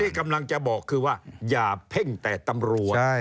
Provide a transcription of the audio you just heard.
กำลังจะบอกคือว่าอย่าเพ่งแต่ตำรวจ